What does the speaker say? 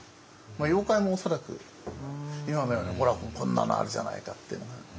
妖怪も恐らく今のようなほらこんなのあるじゃないかってのが。